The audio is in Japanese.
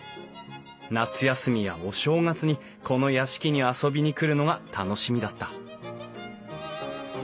夏休みやお正月にこの屋敷に遊びに来るのが楽しみだった。